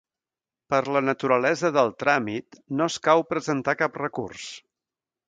Per la naturalesa del tràmit, no escau presentar cap recurs.